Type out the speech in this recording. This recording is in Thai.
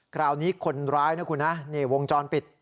คราวนี้คนร้ายในวงจรปิด